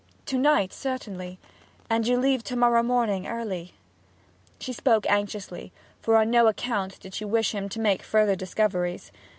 'To night, certainly. And you leave to morrow morning early?' She spoke anxiously, for on no account did she wish him to make further discoveries.